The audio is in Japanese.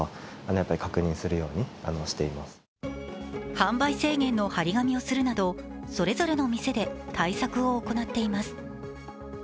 販売制限の貼り紙をするなどそれぞれの店で対策を行っています。